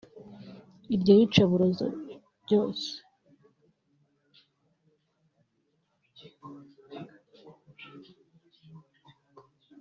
iryo yicarubozo ryose